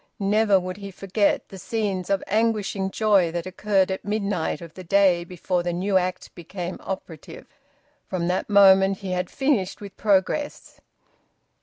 Never would he forget the scenes of anguishing joy that occurred at midnight of the day before the new Act became operative. From that moment he had finished with progress...